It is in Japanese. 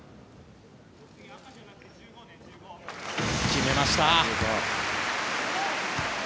決めました。